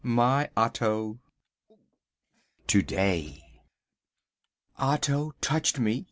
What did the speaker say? My Otto! To day. Otto touched me!